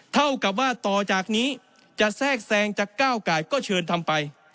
เท่ากับว่าต่อจากนี้จะแทรกแซงจะก้าวไก่ก็เชิญทำไป